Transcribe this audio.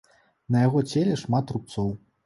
На яго целе шмат рубцоў.